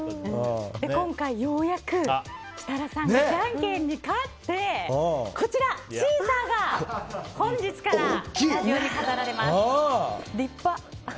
今回ようやく設楽さんがじゃんけんに勝ってシーサーが本日からスタジオに飾られます。